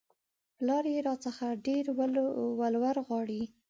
پلار يې راڅخه ډېر ولور غواړي